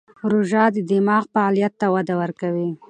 روژه د دماغ فعالیت ته وده ورکوي.